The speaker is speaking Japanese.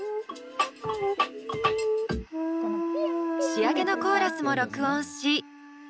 仕上げのコーラスも録音し。